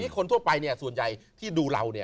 คนทั่วไปส่วนใหญ่ที่ดูเรา